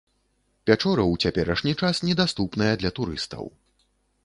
Пячора ў цяперашні час недаступная для турыстаў.